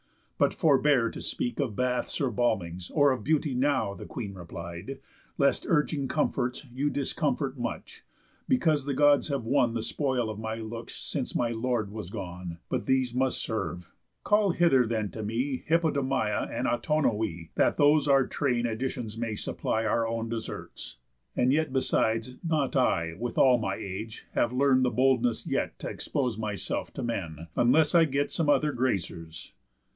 "But forbear to speak Of baths, or balmings, or of beauty, now," The Queen replied, "lest, urging comforts, you Discomfort much; because the Gods have won The spoil of my looks since my lord was gone. But these must serve. Call hither then to me Hippodamia and Autonoé, That those our train additions may supply Our own deserts. And yet, besides, not I, With all my age, have learn'd the boldness yet T' expose myself to men, unless I get Some other gracers."